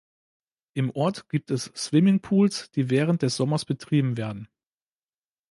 Im Ort gibt es Swimmingpools, die während des Sommers betrieben werden.